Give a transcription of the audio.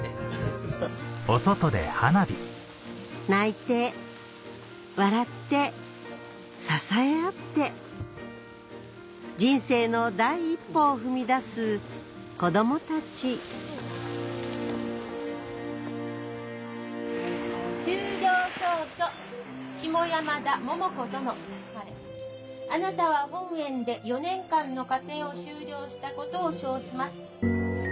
泣いて笑って支え合って人生の第一歩を踏み出す子どもたち・修了証書下山田萌々子殿・あなたは本園で４年間の課程を修了したことを証します。